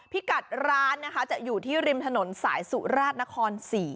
พี่กัดร้านนะคะจะอยู่ที่ริมถนนสายสุราชนคร๔